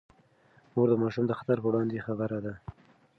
مور د ماشوم د خطر پر وړاندې خبرده ده.